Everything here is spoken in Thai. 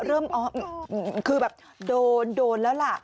ก็คือโดนแล้วล่ะ